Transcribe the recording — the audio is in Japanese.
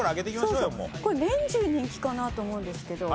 これ年中人気かなと思うんですけど。